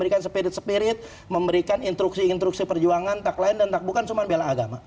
dan juga instruksi perjuangan tak lain dan tak bukan cuma bela agama